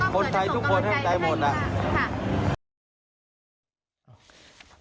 คนไทยทุกคนให้กำลังใจหมดอ่ะ